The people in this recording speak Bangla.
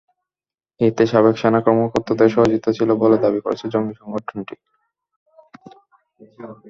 এতে সাবেক সেনা কর্মকর্তাদের সহযোগিতা ছিল বলে দাবি করেছে জঙ্গি সংগঠনটি।